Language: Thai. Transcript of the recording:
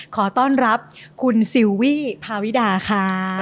ขอต้อนรับคุณซิลวี่พาวิดาค่ะ